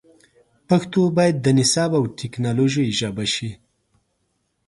پښتو باید د نصاب او ټکنالوژۍ ژبه سي